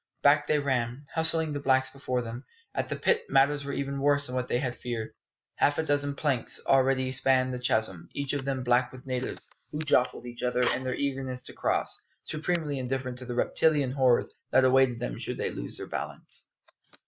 Back they ran, hustling the blacks before them. At the pit matters were even worse than they had feared. Half a dozen planks already spanned the chasm, each of them black with natives, who jostled each other in their eagerness to cross, supremely indifferent to the reptilian horrors that awaited them should they lose their balance.